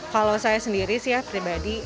kalau saya sendiri siap pribadi